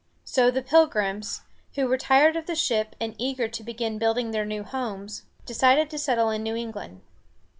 So the Pilgrims, who were tired of the ship and eager to begin building their new homes, decided to settle in New England.